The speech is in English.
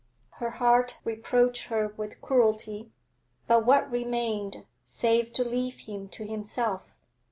Her heart reproached her with cruelty, but what remained save to leave him to himself?